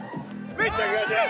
めっちゃ気持ちいい！